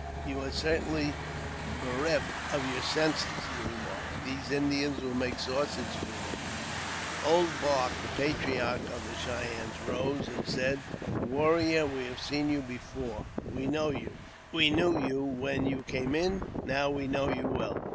''You are certainly bereft of your senses," he remarked; " the Indians will make sausage meat of you." Old Bark, the patriarch of the Cheyennes, rose and said :" Warrior, we have seen you before ; we know you ; we knew you when you came in ; now we know you well.